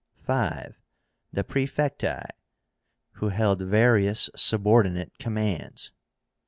5. The PRAEFECTI, who held various subordinate commands.